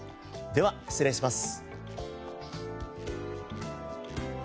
では失礼します。